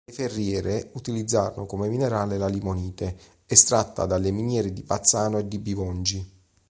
Le ferriere utilizzarono come minerale la limonite estratta dalle miniere di Pazzano e Bivongi.